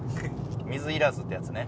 水いらずってやつね。